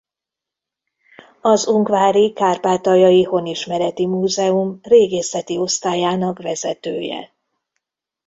Az ungvári Kárpátaljai Honismereti Múzeum régészeti osztályának vezetője.